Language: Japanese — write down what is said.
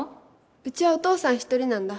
うちはお父さん一人なんだ